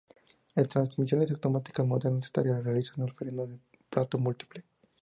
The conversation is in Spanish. En transmisiones automáticas modernas esta tarea la realizan los frenos de plato múltiple.